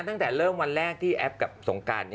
ตั้งแต่เริ่มวันแรกที่แอปกับสงการ